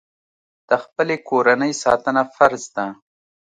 د خپلې کورنۍ ساتنه فرض ده.